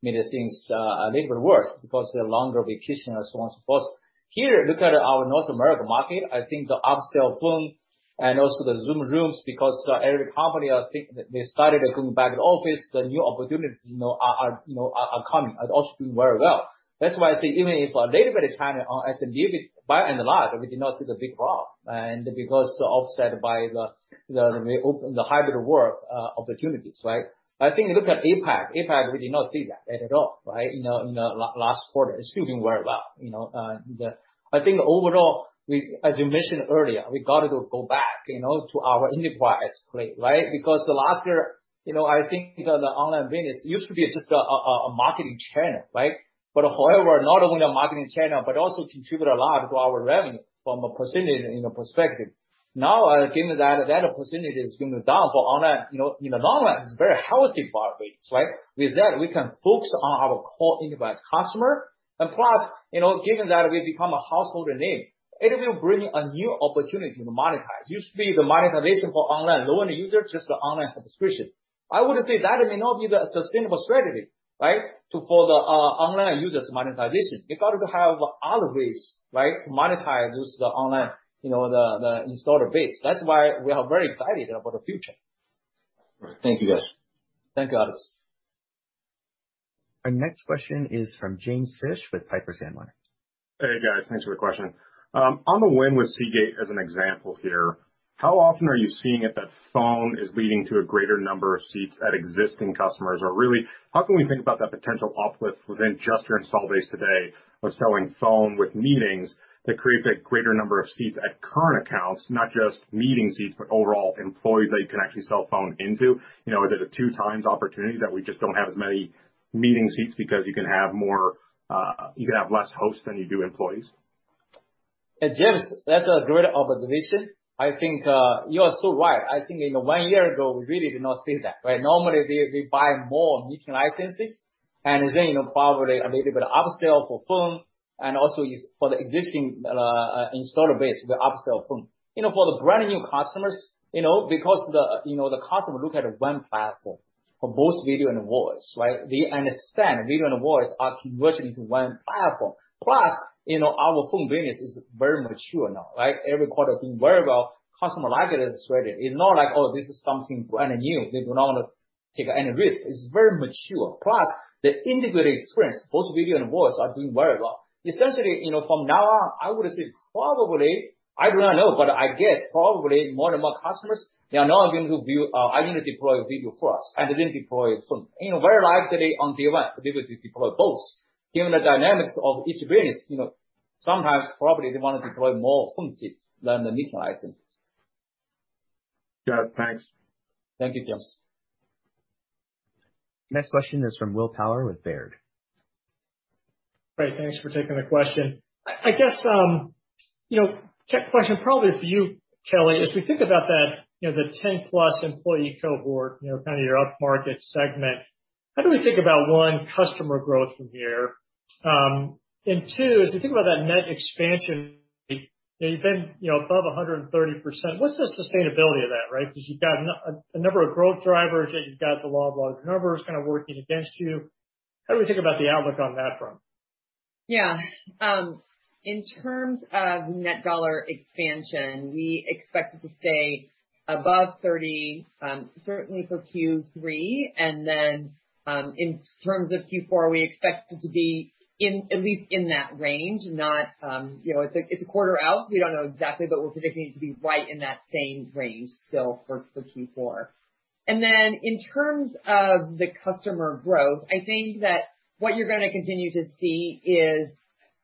made things a little bit worse because the longer vacation and so on, so forth. Here, look at our North America market. I think the upsell Zoom Phone and also the Zoom Rooms, because every company, I think they started going back to office, the new opportunities are coming and also doing very well. That's why I say even if a little bit churn on SMB, by and large, we do not see the big problem. Because offset by the hybrid work opportunities, right? I think you look at APAC. APAC, we did not see that at all, right? In the last quarter. It's doing very well. I think overall, as you mentioned earlier, we got to go back to our enterprise play, right? Last year, I think the online business used to be just a marketing channel, right? However, not only a marketing channel, but also contribute a lot to our revenue from a percentage perspective. Now, given that percentage is going down for online, in the long run, it's very healthy for our business, right? With that, we can focus on our core enterprise customer. Plus, given that we've become a household name, it will bring a new opportunity to monetize. You see the monetization for online, lower user, just the online subscription. I would say that may not be the sustainable strategy, right? For the online users monetization, we got to have other ways, right? To monetize this online, the installed base. That's why we are very excited about the future. Right. Thank you, guys. Thank you, Alex. Our next question is from James Fish with Piper Sandler. Hey, guys, thanks for the question. On the win with Seagate as an example here, how often are you seeing it that phone is leading to a greater number of seats at existing customers? Really, how can we think about that potential uplift within just your install base today of selling phone with meetings that creates a greater number of seats at current accounts, not just meeting seats, but overall employees that you can actually sell phone into? Is it a 2x opportunity that we just don't have as many meeting seats because you can have less hosts than you do employees? James, that's a great observation. I think, you are so right. I think one year ago, we really did not see that, right? Normally, we buy more meeting licenses, and then probably a little bit upsell for phone. Also for the existing installer base, we upsell from. For the brand new customers, because the customer look at one platform for both video and voice, right? They understand video and voice are converging into one platform. Plus, our phone business is very mature now, right? Every quarter doing very well. Customer like it as it's rated. It's not like, oh, this is something brand new. They do not want to take any risk. It's very mature. Plus, the integrated experience, both video and voice, are doing very well. Essentially, from now on, I would say probably, I do not know, but I guess probably more and more customers, they are now going to view, are going to deploy video first and then deploy phone. Very likely on day one, they will deploy both. Given the dynamics of each business, sometimes probably they want to deploy more phone seats than the meeting licenses. Good. Thanks. Thank you, James Next question is from Will Power with Baird. Great. Thanks for taking the question. I guess, check question probably for you, Kelly. As we think about the 10+ employee cohort, kind of your upmarket segment, how do we think about, one, customer growth from here? Two, as we think about that net expansion, you've been above 130%. What's the sustainability of that, right? Because you've got a number of growth drivers, yet you've got the law of large numbers kind of working against you. How do we think about the outlook on that front? Yeah. In terms of net dollar expansion, we expect it to stay above 30%, certainly for Q3. In terms of Q4, we expect it to be at least in that range. It's a quarter out, so we don't know exactly, but we're predicting it to be right in that same range still for Q4. In terms of the customer growth, I think that what you're going to continue to see is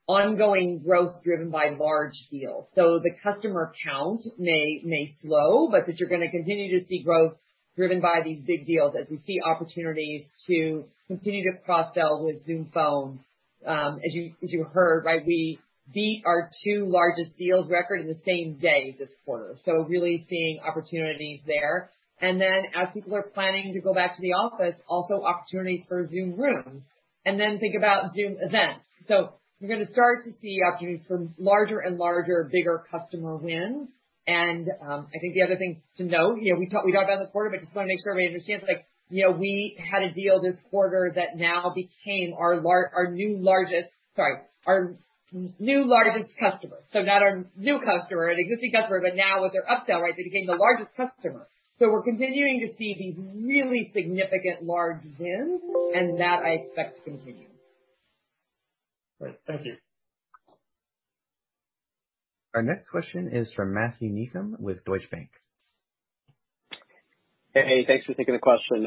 ongoing growth driven by large deals. The customer count may slow, but that you're going to continue to see growth driven by these big deals as we see opportunities to continue to cross-sell with Zoom Phone. As you heard, right, we beat our two largest deals record in the same day this quarter. Really seeing opportunities there. As people are planning to go back to the office, also opportunities for Zoom Rooms. Think about Zoom Events. You're going to start to see opportunities for larger and larger, bigger customer wins. I think the other thing to note, we talked about this quarter, but just want to make sure everybody understands, we had a deal this quarter that now became our new largest customer. Not our new customer, an existing customer, but now with their upsell, right, they became the largest customer. We're continuing to see these really significant large wins, and that I expect to continue. Great. Thank you. Our next question is from Matthew Niknam with Deutsche Bank. Hey, thanks for taking the question.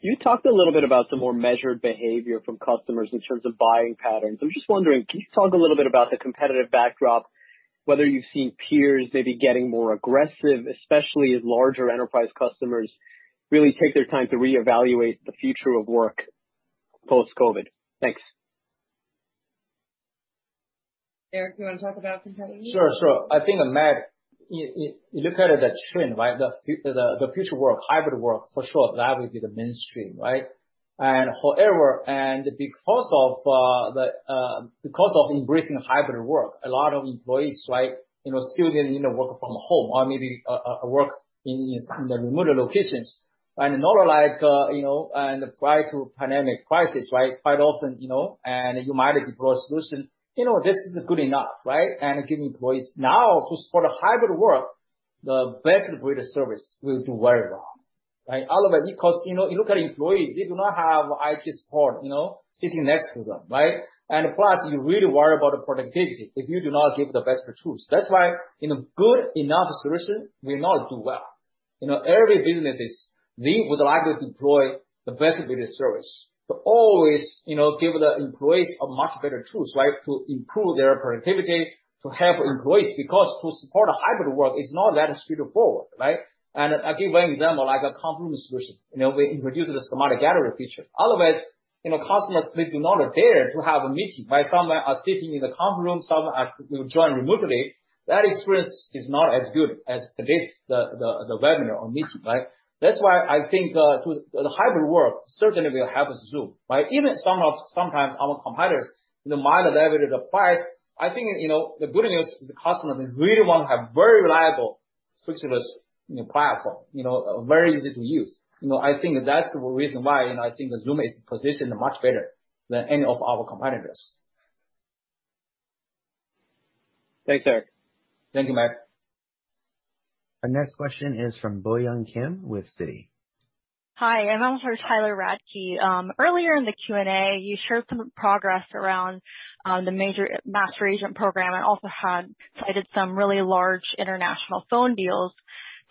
You talked a little bit about the more measured behavior from customers in terms of buying patterns. I'm just wondering, can you talk a little bit about the competitive backdrop, whether you've seen peers maybe getting more aggressive, especially as larger enterprise customers really take their time to reevaluate the future of work post-COVID? Thanks. Eric, you want to talk about competitive? Sure. I think, Matt, you look at the trend, right? The future work, hybrid work, for sure, that will be the mainstream, right? However, because of embracing hybrid work, a lot of employees still need to work from home or maybe work in some remote locations. Not like, prior to pandemic crisis, right? Quite often, you might deploy a solution. This isn't good enough, right? Giving employees now who support hybrid work, the best video service will do very well, right? Otherwise, because you look at employees, they do not have IT support sitting next to them, right? Plus, you really worry about the productivity if you do not give the best tools. That's why good enough solution will not do well. Every business, they would like to deploy the best video service to always give the employees a much better tools, right? To improve their productivity, to help employees. To support a hybrid work is not that straightforward, right? I give one example, like a conference room solution. We introduced the Smart Gallery feature. Otherwise, customers, they do not dare to have a meeting, right? Someone are sitting in the conference room, someone will join remotely. That experience is not as good as today's, the webinar or meeting, right? That's why I think the hybrid work certainly will help Zoom, right? Even sometimes our competitors, they might have a better price. I think, the good news is the customer really want to have very reliable, frictionless platform. Very easy to use. I think that's the reason why I think Zoom is positioned much better than any of our competitors. Thanks, Eric. Thank you, Matt. Our next question is from Boyoung Kim with Citi. Hi, I'm on for Tyler Radke. Earlier in the Q&A, you shared some progress around the Master Agent program and also had cited some really large international phone deals.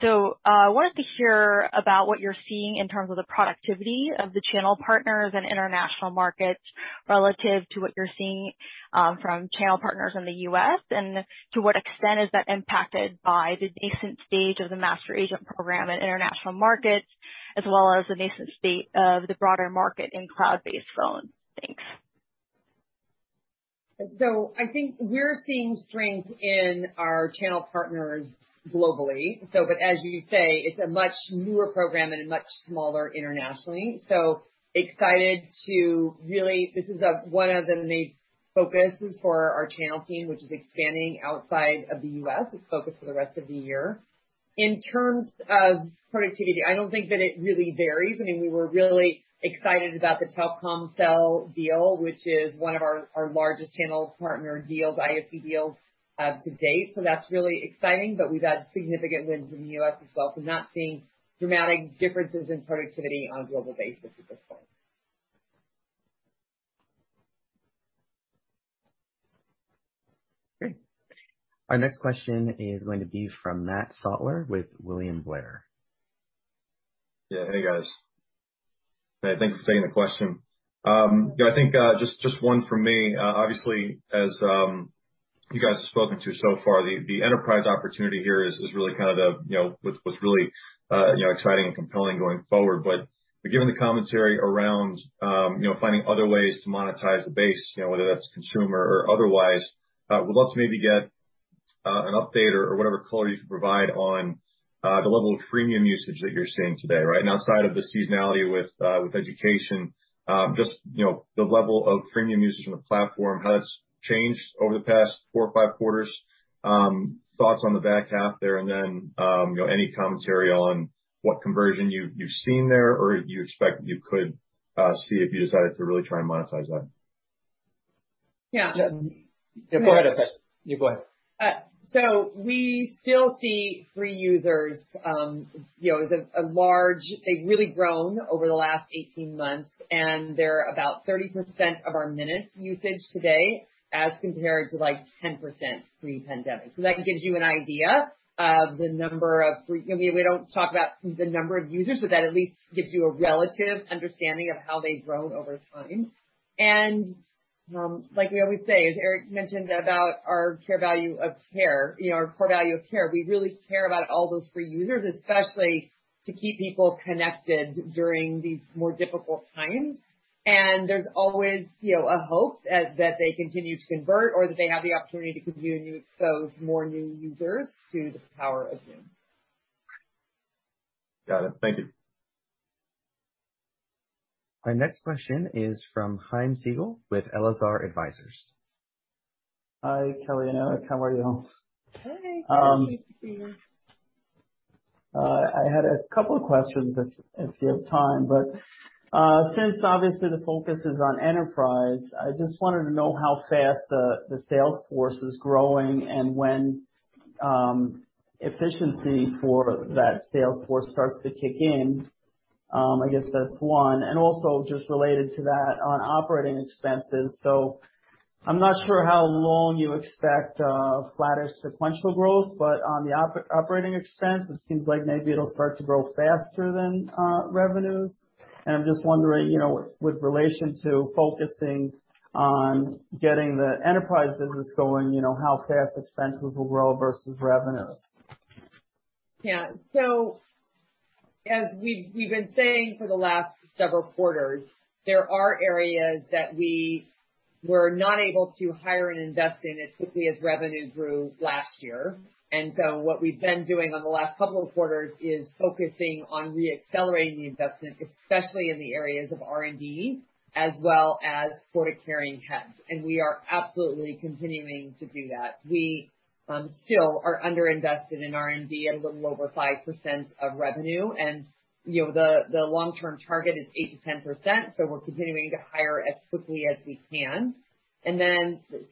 I wanted to hear about what you're seeing in terms of the productivity of the channel partners in international markets relative to what you're seeing from channel partners in the U.S., and to what extent is that impacted by the nascent stage of the master agent program in international markets, as well as the nascent state of the broader market in cloud-based phones. Thanks. I think we're seeing strength in our channel partners globally. As you say, it's a much newer program and much smaller internationally. Excited to really, this is one of the Focus is for our channel team, which is expanding outside of the U.S. It's focused for the rest of the year. In terms of productivity, I don't think that it really varies. We were really excited about the Telkomsel deal, which is one of our largest channel partner deals, ISP deals to date. That's really exciting, but we've had significant wins in the U.S. as well, so not seeing dramatic differences in productivity on a global basis at this point. Great. Our next question is going to be from Matt Stotler with William Blair. Hey, guys. Thanks for taking the question. I think, just one from me. Obviously, as you guys have spoken to so far, the enterprise opportunity here is what's really exciting and compelling going forward. Given the commentary around finding other ways to monetize the base, whether that's consumer or otherwise, would love to maybe get an update or whatever color you can provide on the level of freemium usage that you're seeing today. Outside of the seasonality with education, just the level of freemium usage on the platform, how that's changed over the past four or five quarters. Thoughts on the back half there, and then any commentary on what conversion you've seen there, or you expect you could see if you decided to really try and monetize that. Yeah. Yeah, go ahead, Kelly. You go ahead. We still see free users. They've really grown over the last 18 months, and they're about 30% of our minutes usage today as compared to 10% pre-pandemic. That gives you an idea. We don't talk about the number of users, but that at least gives you a relative understanding of how they've grown over time. Like we always say, as Eric mentioned about our core value of care, we really care about all those free users, especially to keep people connected during these more difficult times. There's always a hope that they continue to convert or that they have the opportunity to continue to expose more new users to the power of Zoom. Got it. Thank you. Our next question is from Chaim Siegel with Elazar Advisors. Hi, Kelly and Eric. How are you? Hey. Good. Nice to see you. I had a couple of questions if you have time. Since obviously the focus is on enterprise, I just wanted to know how fast the sales force is growing and when efficiency for that sales force starts to kick in. I guess that's one. Also just related to that, on operating expenses. I'm not sure how long you expect a flatter sequential growth, but on the operating expense, it seems like maybe it'll start to grow faster than revenues. I'm just wondering with relation to focusing on getting the enterprise business going, how fast expenses will grow versus revenues. Yeah. As we've been saying for the last several quarters, there are areas that we were not able to hire and invest in as quickly as revenue grew last year. What we've been doing on the last two quarters is focusing on re-accelerating the investment, especially in the areas of R&D as well as quota-carrying heads. We are absolutely continuing to do that. We still are under-invested in R&D at a little over 5% of revenue. The long-term target is 8%-10%. We're continuing to hire as quickly as we can.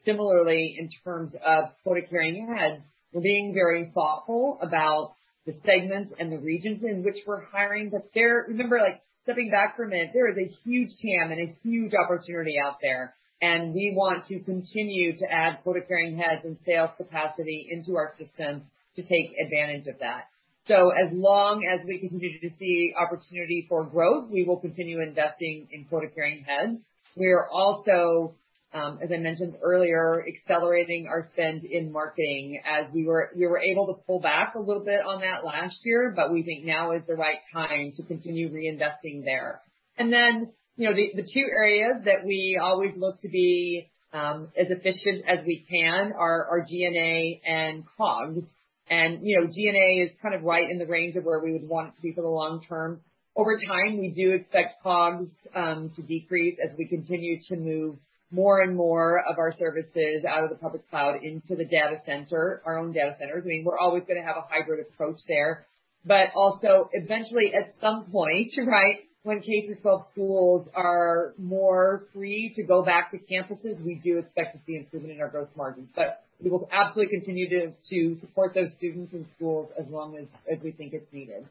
Similarly, in terms of quota-carrying heads, we're being very thoughtful about the segments and the regions in which we're hiring. Remember, stepping back for a minute, there is a huge TAM and a huge opportunity out there, and we want to continue to add quota-carrying heads and sales capacity into our system to take advantage of that. As long as we continue to see opportunity for growth, we will continue investing in quota-carrying heads. We are also, as I mentioned earlier, accelerating our spend in marketing as we were able to pull back a little bit on that last year, but we think now is the right time to continue reinvesting there. The two areas that we always look to be as efficient as we can are G&A and COGS. G&A is right in the range of where we would want it to be for the long term. Over time, we do expect COGS to decrease as we continue to move more and more of our services out of the public cloud into the data center, our own data centers. We're always going to have a hybrid approach there. Also, eventually, at some point, when K-12 schools are more free to go back to campuses, we do expect to see improvement in our gross margins. We will absolutely continue to support those students and schools as long as we think it's needed.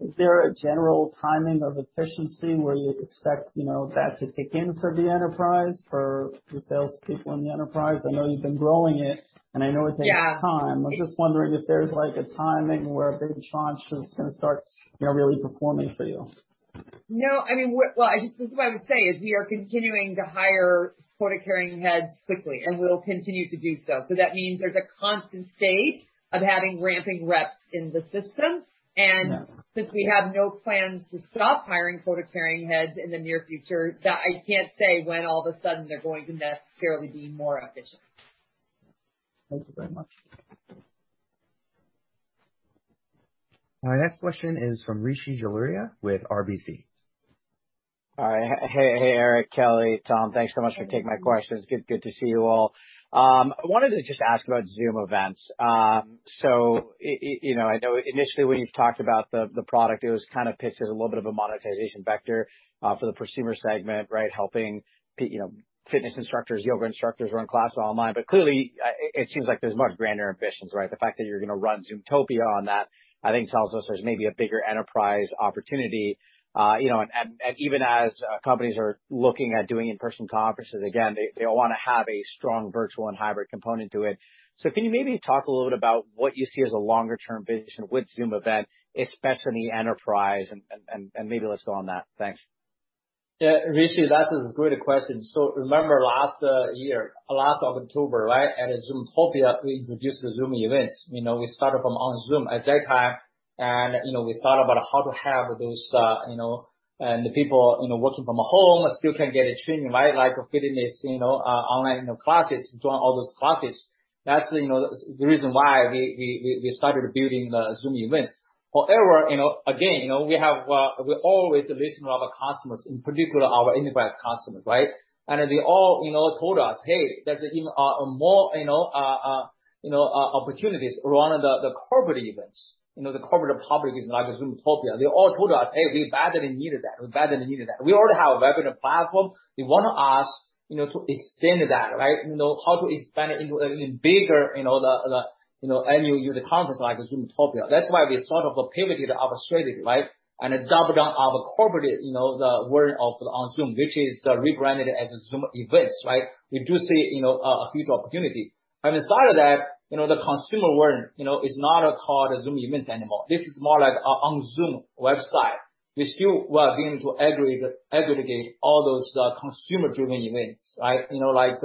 Is there a general timing of efficiency where you expect that to kick in for the enterprise, for the salespeople in the enterprise? I know you've been growing it, and I know it takes time. Yeah. I'm just wondering if there's a timing where a big tranche is going to start really performing for you? No. This is what I would say is we are continuing to hire quota-carrying heads quickly, and we'll continue to do so. That means there's a constant state of having ramping reps in the system. Yeah. Since we have no plans to stop hiring quota-carrying heads in the near future, I can't say when all of a sudden, they're going to necessarily be more efficient. Thank you very much. My next question is from Rishi Jaluria with RBC. Hi. Hey, Eric, Kelly, Tom, thanks so much for taking my questions. Good to see you all. I wanted to just ask about Zoom Events. I know initially when you've talked about the product, it was kind of pitched as a little bit of a monetization vector, for the prosumer segment, right? Helping fitness instructors, yoga instructors run classes online. Clearly, it seems like there's much grander ambitions, right? The fact that you're going to run Zoomtopia on that, I think tells us there's maybe a bigger enterprise opportunity. Even as companies are looking at doing in-person conferences again, they all want to have a strong virtual and hybrid component to it. Can you maybe talk a little bit about what you see as a longer-term vision with Zoom Events, especially in the enterprise, and maybe let's go on that. Thanks. Yeah, Rishi, that's a great question. Remember last year, last October, right, at Zoomtopia, we introduced the Zoom Events. We started from OnZoom at that time, and we thought about how to have those, and the people working from home still can get training, right? Like fitness, online classes, join all those classes. That's the reason why we started building Zoom Events. However, again we always listen to our customers, in particular our enterprise customers, right? They all told us, "Hey, there's even more opportunities around the corporate events." The corporate public is now like Zoomtopia. They all told us, "Hey, we badly needed that." We already have a webinar platform. They want us to extend that, right? How to expand it even bigger, the annual user conference like Zoomtopia. That's why we sort of pivoted our strategy, right, and doubled down our corporate, the version of OnZoom, which is rebranded as Zoom Events, right? We do see a huge opportunity. Aside of that, the consumer world is not called Zoom Events anymore. This is more like our OnZoom website. We still were going to aggregate all those consumer-driven events, right? Like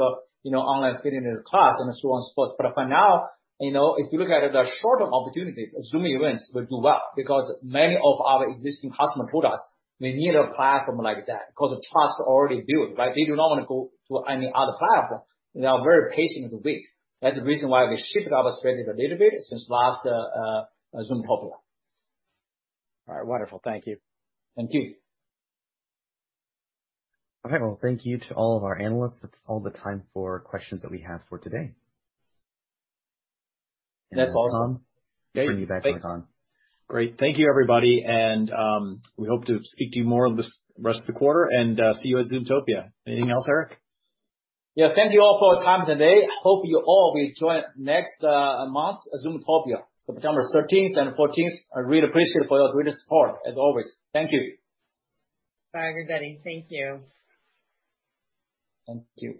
online fitness class and so on so forth. For now, if you look at the short-term opportunities, Zoom Events will do well because many of our existing customers told us we need a platform like that because the trust already built, right? They do not want to go to any other platform. They are very patient to wait. That's the reason why we shifted our strategy a little bit since last Zoomtopia. All right. Wonderful. Thank you. Thank you. Okay. Well, thank you to all of our analysts. That's all the time for questions that we have for today. That's all. Tom. Bring it back to Tom. Great. Thank you, everybody, and we hope to speak to you more on this rest of the quarter and see you at Zoomtopia. Anything else, Eric? Yeah. Thank you all for your time today. Hope you all will join next month Zoomtopia, September 13th and 14th. I really appreciate for your great support as always. Thank you. Bye everybody. Thank you. Thank you.